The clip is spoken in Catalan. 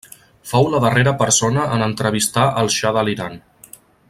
Fou la darrera persona en entrevistar el Xa de l'Iran.